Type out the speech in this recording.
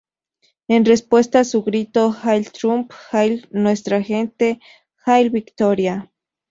En respuesta a su grito "¡Hail Trump, hail nuestra gente, hail victoria!